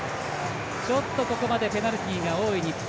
ちょっとここまでペナルティが多い日本。